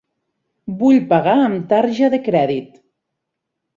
Vull pagar amb tarja de crèdit.